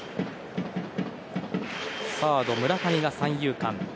サード、村上が三遊間。